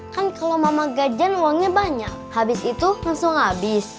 kan kalau mama gajian uangnya banyak habis itu langsung habis